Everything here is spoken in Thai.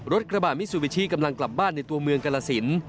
กระบาดมิซูบิชิกำลังกลับบ้านในตัวเมืองกรสิน